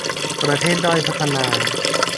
ประเทศด้อยพัฒนา